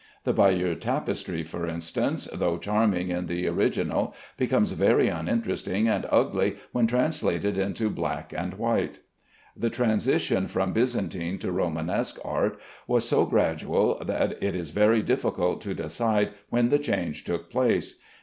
The Bayeux tapestry, for instance, though charming in the original, becomes very uninteresting and ugly when translated into black and white. The transition from Byzantine to Romanesque art was so gradual that it is very difficult to decide when the change took place.